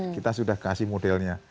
kita sudah kasih modelnya